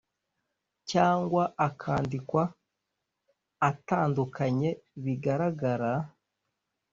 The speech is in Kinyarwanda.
cyangwa akandikwa atandukanye bigaragara